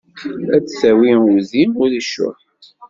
Ad d-tawi udi ur icuḥ.